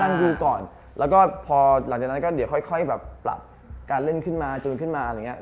ดูก่อนแล้วก็พอหลังจากนั้นก็เดี๋ยวค่อยแบบปรับการเล่นขึ้นมาจูนขึ้นมาอะไรอย่างเงี้